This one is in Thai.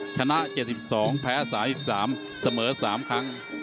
ชนะ๗๒แพ้๓๓เสมอ๓ครั้ง